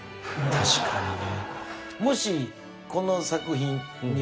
確かにね。